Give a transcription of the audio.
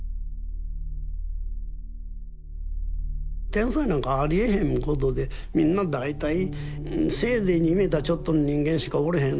天才なんかありえへんことでみんな大体せいぜい２メーターちょっとの人間しかおれへん。